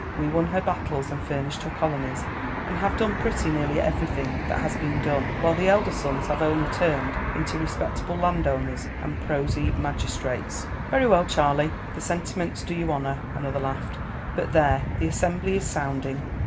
We won her battles and furnished her colonies, and have done pretty nearly everything that has been done; while the elder sons have only turned into respectable landowners and prosy magistrates." "Very well, Charley, the sentiments do you honour," another laughed; "but there, the assembly is sounding.